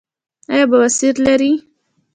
ایا بواسیر لرئ؟